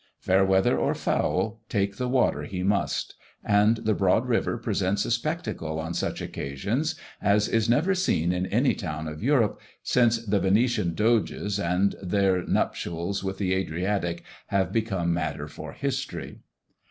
Fair weather or foul, take the water he must; and the broad river presents a spectacle on such occasions as is never seen in any town of Europe, since the Venetian Doges and their nuptials with the Adriatic have become matter for history.